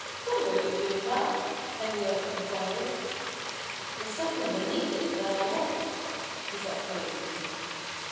"Why are you doing that?" Henrietta inquired. "There's something beneath it that I want," he said hurriedly.